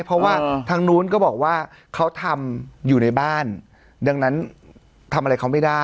เพราะว่าทางนู้นก็บอกว่าเขาทำอยู่ในบ้านดังนั้นทำอะไรเขาไม่ได้